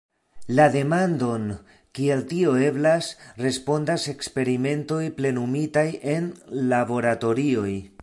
La demandon Kiel tio eblas, respondas eksperimentoj plenumitaj en laboratorioj.